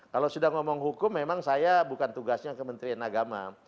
kalau sudah ngomong hukum memang saya bukan tugasnya kementerian agama